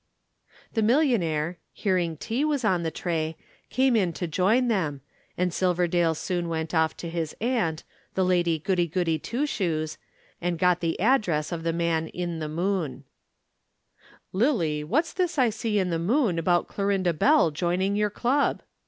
The millionaire, hearing tea was on the tray, came in to join them, and Silverdale soon went off to his aunt, Lady Goody Goody Twoshoes, and got the address of the man in the Moon. "Lillie, what's this I see in the Moon about Clorinda Bell joining your Club?"